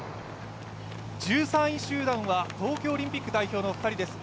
１３位集団は東京オリンピック代表の２人です。